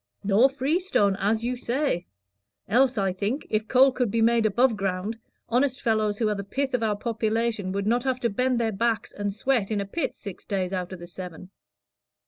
"Nor freestone, as you say; else, I think, if coal could be made above ground, honest fellows who are the pith of our population would not have to bend their backs and sweat in a pit six days out of the seven.